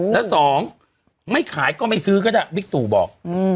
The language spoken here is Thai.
แล้วสองไม่ขายก็ไม่ซื้อก็ได้บิ๊กตู่บอก